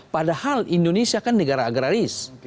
padahal indonesia kan negara agraris